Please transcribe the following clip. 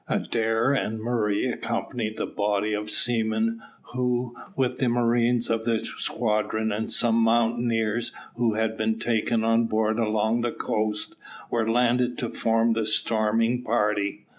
Adair and Murray accompanied the body of seamen who, with the marines of the squadron, and some mountaineers who had been taken on board along the coast, were landed to form the storming party.